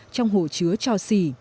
trong hộ chứa cho xỉ